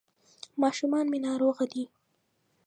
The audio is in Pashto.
ماشومان مي ناروغه دي ..